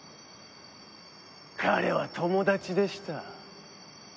彼は友達でした。